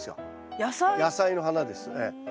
野菜の花ですええ。